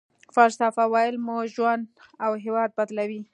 فلسفه ويل مو ژوند او هېواد بدلوي.